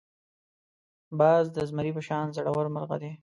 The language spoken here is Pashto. باز د زمري په شان زړور مرغه دی